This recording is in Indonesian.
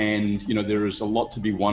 ada banyak yang harus dilakukan di luar sana